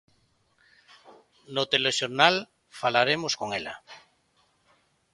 No telexornal falaremos con ela.